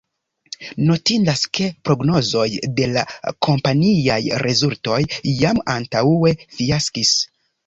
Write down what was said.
Notindas, ke prognozoj de la kompaniaj rezultoj jam antaŭe fiaskis.